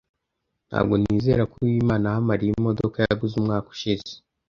Ntabwo nizera ko Uwimana aha Mariya imodoka yaguze umwaka ushize.